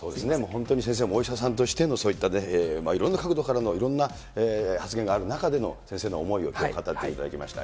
本当に先生もお医者さんとしても、そういったいろんな角度からのいろんな発言がある中での先生の思いをきょう語っていただきました。